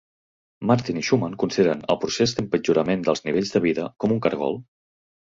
Martin i Schumann consideren el procés d'empitjorament dels nivells de vida com un caragol.